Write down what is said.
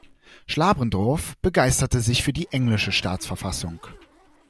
Schlabrendorf begeisterte sich für die englische Staatsverfassung.